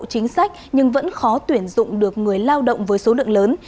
chính sách nhưng vẫn khó tuyển dụng được người lao động với số lượng lớn